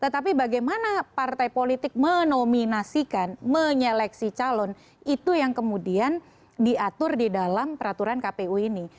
tetapi bagaimana partai politik menominasikan menyeleksi calon itu yang kemudian diatur di dalam peraturan kpu ini